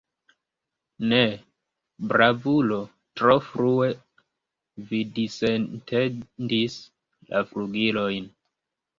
Ne, bravulo, tro frue vi disetendis la flugilojn!